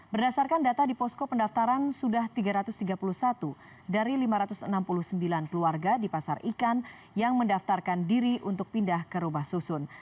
berdasarkan data di posko pendaftaran sudah tiga ratus tiga puluh satu dari lima ratus enam puluh sembilan keluarga di pasar ikan yang mendaftarkan diri untuk pindah ke rumah susun